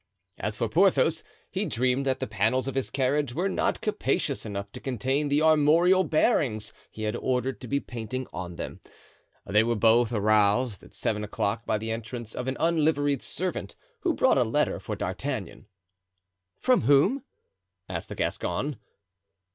As for Porthos, he dreamed that the panels of his carriage were not capacious enough to contain the armorial bearings he had ordered to be painted on them. They were both aroused at seven o'clock by the entrance of an unliveried servant, who brought a letter for D'Artagnan. "From whom?" asked the Gascon.